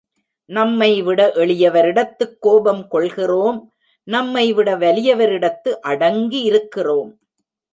நம்மைவிட எளியவரிடத்துக் கோபம் கொள்கிறோம் நம்மைவிட வலியவரிடத்து அடங்கி இருக்கிறோம்.